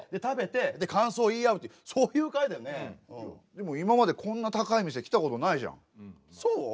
でも今までこんな高い店来たことないじゃん。